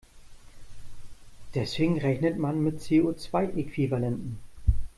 Deswegen rechnet man mit CO-zwei-Äquivalenten.